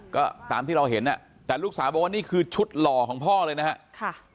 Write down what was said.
ก็ตามที่เราเห็นแต่ลูกสาวบอกว่านี่คือชุดหล่อของพ่อเลยนะครับ